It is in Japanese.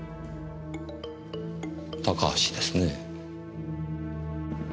高橋ですね。